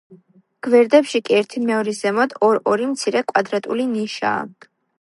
გვერდებში კი, ერთიმეორის ზემოთ, ორ-ორი მცირე, კვადრატული ნიშაა.